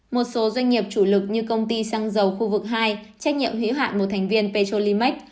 một số doanh nghiệp chủ lực như công ty xăng dầu khu vực hai trách nhiệm hữu hạn một thành viên petrolimax